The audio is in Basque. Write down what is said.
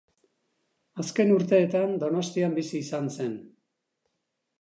Azken urteetan Donostian bizi izan zen.